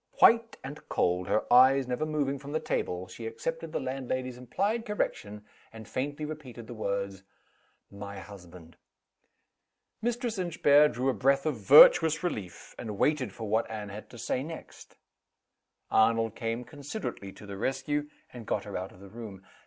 White and cold, her eyes never moving from the table, she accepted the landlady's implied correction, and faintly repeated the words: "My husband." Mistress Inchbare drew a breath of virtuous relief, and waited for what Anne had to say next. Arnold came considerately to the rescue, and got her out of the room.